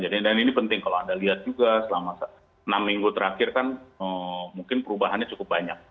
dan ini penting kalau anda lihat juga selama enam minggu terakhir kan mungkin perubahannya cukup banyak